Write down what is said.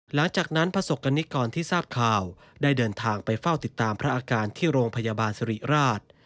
หลังจากนั้นประสบกรณิกรที่ทราบข่าวได้เดินทางไปเฝ้าติดตามพระอาการที่โรงพยาบาลสิริราช